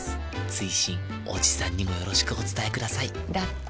追伸おじさんにもよろしくお伝えくださいだって。